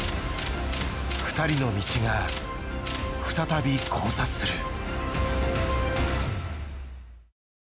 ２人の道が再び交差する。